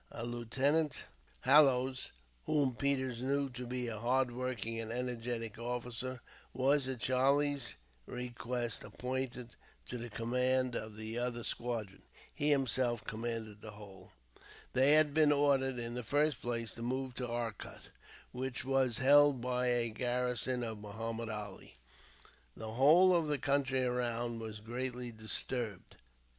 A Lieutenant Hallowes, whom Peters knew to be a hard working and energetic officer, was, at Charlie's request, appointed to the command of the other squadron. He himself commanded the whole. They had been ordered, in the first place, to move to Arcot, which was held by a garrison of Muhammud Ali. The whole of the country around was greatly disturbed.